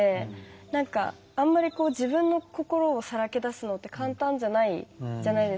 何かあんまり自分の心をさらけ出すのって簡単じゃないじゃないですか。